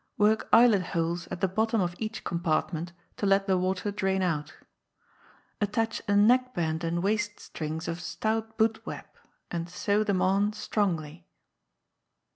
Work eyelet holes at the bottom of each compartment, to let the water drain out. Attach a neck band and waist strings of stout boot web, and sew them on strongly.